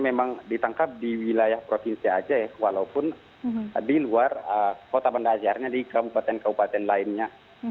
memang ditangkap di wilayah provinsi aceh walaupun di luar kota panda acernya di kabupaten kabupaten lainnya